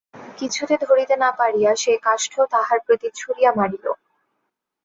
কিছুতে ধরিতে না পারিয়া সেই কাষ্ঠ তাহার প্রতি ছুঁড়িয়া মারিল।